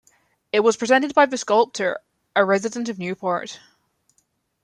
It was presented by the sculptor, a resident of Newport.